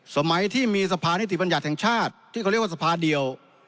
สมัยที่มีสภานิติบัญญัติแห่งชาติที่เขาเรียกว่าสภาเดียว